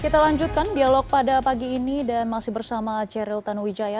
kita lanjutkan dialog pada pagi ini dan masih bersama ceril tanuwijaya